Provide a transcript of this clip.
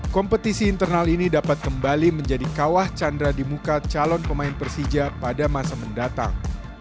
kompetisi internal ini dapat kembali menjadi kawah chandra di muka calon pemain persija pada masa mendatang